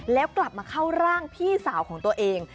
แล้วกลับมาเข้าร่างพี่สาวของตัวเอง